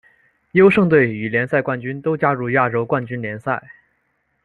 优胜队与联赛冠军都加入亚洲冠军联赛。